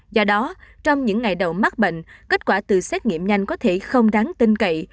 do đó trong những ngày đầu mắc bệnh kết quả từ xét nghiệm nhanh có thể không đáng tin cậy